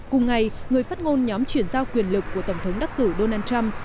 cùng ngày người phát ngôn nhóm chuyển giao quyền lực của tổng thống đắc cử donald trump